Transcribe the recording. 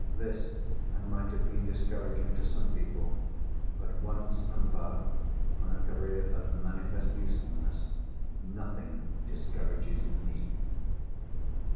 This might have been discouraging to some people; but, once embarked on a career of manifest usefulness, nothing discourages Me.